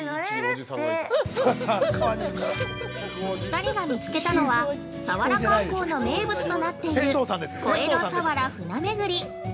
◆２人が見つけたのは佐原観光の名物となっている小江戸さわら舟めぐり。